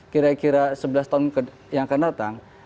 kira kira sebelas tahun yang akan datang